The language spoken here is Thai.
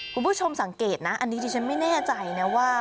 คุณผู้ชมสังเกตนะอันนี้ที่ฉันไม่แน่ใจนะว่า